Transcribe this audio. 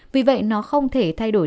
vì vậy nó không thể thay đổi